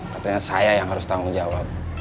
katanya saya yang harus tanggung jawab